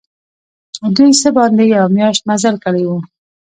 دوی څه باندي یوه میاشت مزل کړی وو.